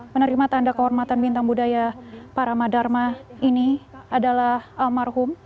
penerima tanda kehormatan bintang budaya paramadharma ini adalah almarhum